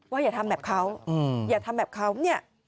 ว่าอย่าทำแบบเขาอย่าทำแบบเขา